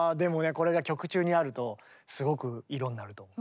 これが曲中にあるとすごく色になると思う。